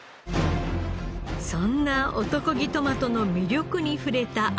そんな男気トマトの魅力に触れた秋山シェフ。